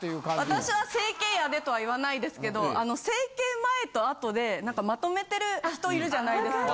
私は整形やでとは言わないですけどあの整形前と後で何かまとめてる人いるじゃないですか。